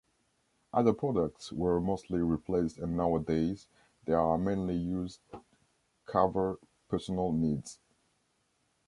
Other products were mostly replaced and nowadays, they are mainly used cover personal needs.